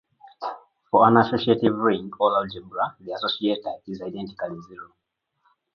For an associative ring or algebra the associator is identically zero.